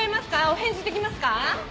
お返事できますか？